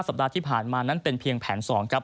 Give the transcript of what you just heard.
สัปดาห์ที่ผ่านมานั้นเป็นเพียงแผน๒ครับ